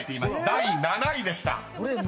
［第７位でした］